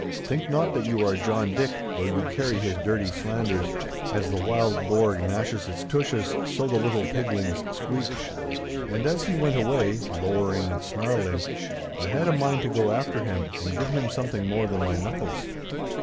Think not that you are John Dick, though you carry his dirty slanders. As the wild boar gnashes its tushes, so the little piglings squeak!' And as he went away, lowering and snarling, I had a mind to go after him and give him something more than my knuckles.